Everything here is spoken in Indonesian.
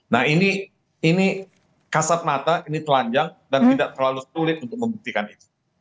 nah ini kasat mata ini telanjang dan tidak terlalu sulit untuk membuktikan itu